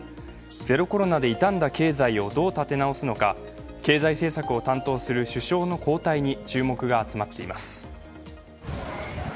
ゼロコロナで傷んだ経済をどう立て直すのか、経済政策を担当する首相の交代に注目が集まっています。